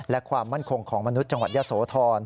และความมั่นคงของมนุษย์จังหวัดยะโสธร